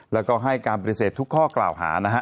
แล้วก็ให้การปฏิเสธทุกข้อกล่าวหานะฮะ